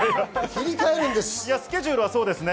スケジュールはそうですね。